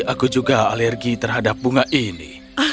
aku juga alergi terhadap bunga ini